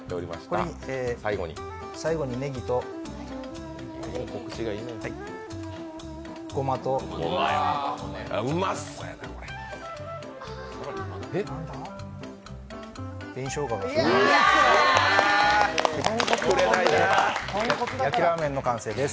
これに最後にねぎとごまと紅しょうがを添えます。